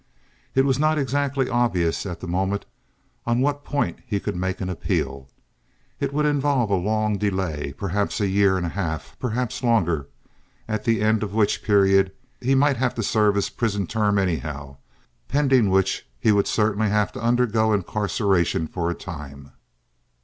It was not exactly obvious at the moment on what point he could make an appeal. It would involve a long delay—perhaps a year and a half, perhaps longer, at the end of which period he might have to serve his prison term anyhow, and pending which he would certainly have to undergo incarceration for a time.